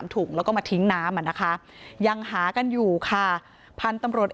ถุงแล้วก็มาทิ้งน้ำอ่ะนะคะยังหากันอยู่ค่ะพันธุ์ตำรวจ